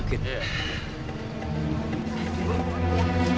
terima kasih mbak